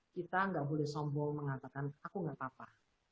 kita tidak boleh sombong mengatakan aku tidak apa apa